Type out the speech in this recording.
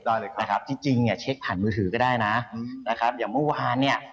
ได้เลยครับนะครับที่จริงเซ็คผ่านมือถือก็ได้นะนะครับอย่างเมื่อวานเนี้ย